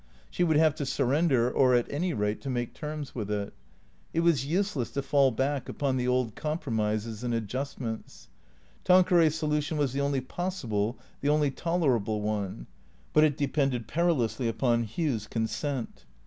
She would have to surrender, or at any rate to make terms with it. It was use less to fall back upon the old compromises and adjustments. Tanqueray's solution was the only possible, the only tolerable one. But it depended perilously upon Hugh's consent.